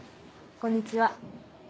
こんにちは。